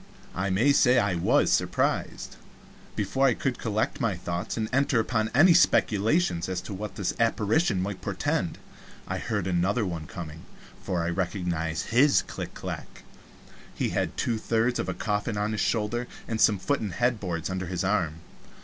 I may say I was surprised. Before I could collect my thoughts and enter upon any speculations as to what this apparition might portend, I heard another one coming for I recognized his clack clack. He had two thirds of a coffin on his shoulder, and some foot and head boards under his arm.